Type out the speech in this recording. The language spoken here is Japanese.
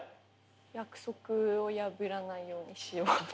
約束を破らないようにしようって思って。